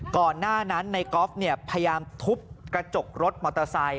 ก่อนหน้านั้นในกอล์ฟพยายามทุบกระจกรถมอเตอร์ไซค